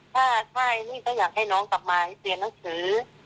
แต่ถ้าอยากให้น้องกลับมาเรียนหนังสือ